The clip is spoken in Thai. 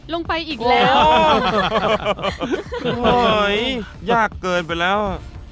ลงไปอีกแล้วโอ้โฮโฮโหเห้ยยากเกินไปแล้ว